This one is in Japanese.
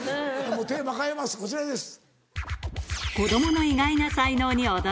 もうテーマ変えますこちらです。